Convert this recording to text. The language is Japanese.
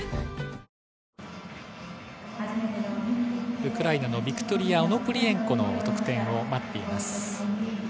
ウクライナのビクトリア・オノプリエンコの得点を待っています。